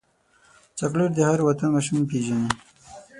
چاکلېټ د هر وطن ماشوم پیژني.